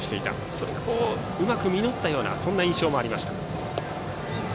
そこがうまく実った印象もありました。